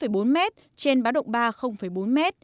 dưới báo động ba bốn m